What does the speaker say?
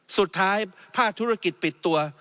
สุดท้ายภาคธุรกิจปิดตัว